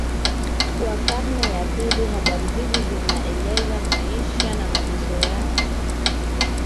wa karne ya mbili Habari hizo zinaeleza maisha na mateso yao